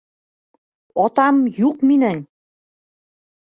Атам юҡ минең!